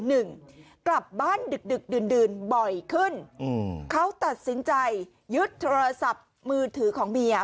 กลับบ้านดึกดึกดื่นบ่อยขึ้นเขาตัดสินใจยึดโทรศัพท์มือถือของเมีย